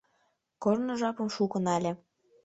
Корно жапым шуко нале.